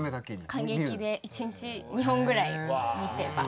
観劇で一日２本ぐらい見て。